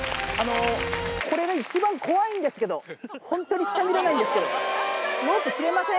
これが一番怖いんですけど、本当に下見れないんですけど、ロープ切れません？